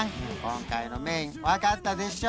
今回のメイン分かったでしょ？